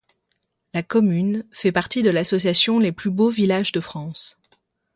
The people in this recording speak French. La commune fait partie de l'association Les Plus Beaux Villages de France.